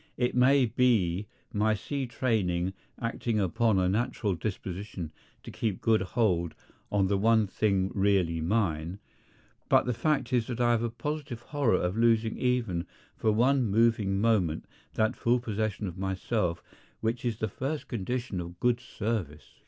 It may be my sea training acting upon a natural disposition to keep good hold on the one thing really mine, but the fact is that I have a positive horror of losing even for one moving moment that full possession of myself which is the first condition of good service.